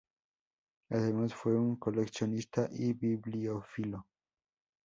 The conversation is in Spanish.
Además, fue un coleccionista y bibliófilo.